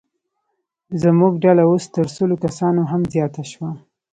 زموږ ډله اوس تر سلو کسانو هم زیاته شوه.